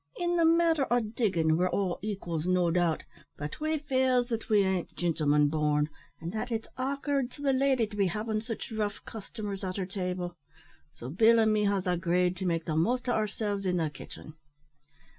In the matter o' diggin' we're all equals, no doubt; but we feels that we ain't gintlemen born, and that it's a'k'ard to the lady to be havin' sich rough customers at her table, so Bill an' me has agreed to make the most o' ourselves in the kitchen."